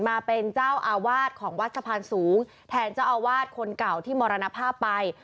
มาเป็นเจ้าอาวาสของวัดสะพานสูงแทนเจ้าอาวาสคนเก่าที่มรณภาพไป